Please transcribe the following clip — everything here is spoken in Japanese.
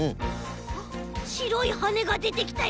あっしろいはねがでてきたよ！